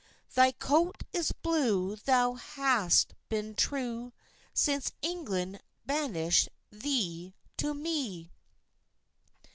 Thy coat is blue, thou has been true, Since England banishd thee, to me."